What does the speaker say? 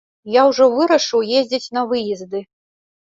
Я ўжо вырашыў ездзіць на выезды.